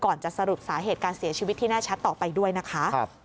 จะสรุปสาเหตุการเสียชีวิตที่แน่ชัดต่อไปด้วยนะคะ